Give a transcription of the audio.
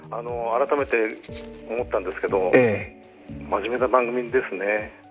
改めて思ったんですけど真面目な番組ですね。